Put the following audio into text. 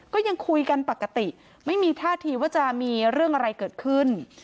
ก็ยังคุยกันปกติไม่มีท่าทีว่าจะมีเรื่องอะไรเกิดขึ้น